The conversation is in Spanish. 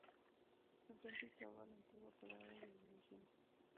Enfrente estaba la antigua parada de diligencias.